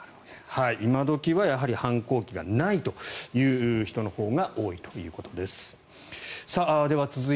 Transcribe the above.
今時は反抗期がない人のほうが多いということです。